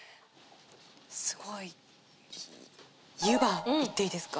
すごい湯葉いっていいですか？